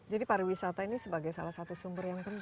jadi pariwisata ini sebagai salah satu sumber yang penting